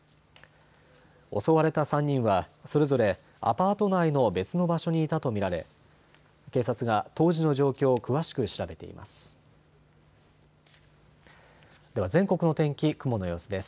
襲われた３人はそれぞれアパート内の別の場所にいたと見られ警察が当時の状況を詳しく調べています。